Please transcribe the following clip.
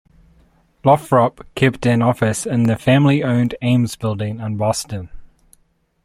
Lothrop kept an office in the family-owned Ames Building in Boston.